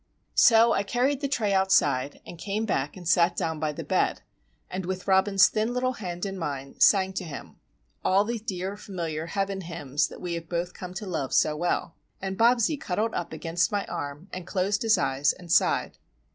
So I carried the tray outside, and came back and sat down by the bed, and with Robin's thin little hand in mine, sang to him,—all the dear, familiar "heaven hymns" that we have both come to love so well. And Bobsie cuddled up against my arm and closed his eyes and sighed.